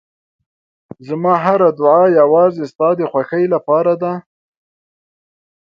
زما هره دعا یوازې ستا د خوښۍ لپاره ده.